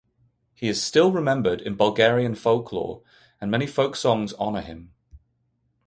He is still remembered in Bulgarian folklore, and many folk songs honour him.